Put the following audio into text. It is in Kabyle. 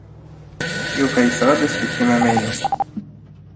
Yuba yesɣa-d aselkim amaynu.